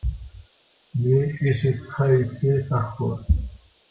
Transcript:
Mais il se trahissait parfois.